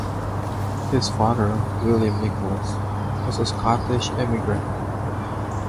His father, William Nicholas, was a Scottish immigrant.